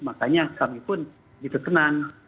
makanya kami pun begitu tenang